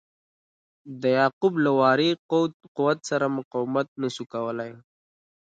د یعقوب له واړه قوت سره مقاومت نه سو کولای.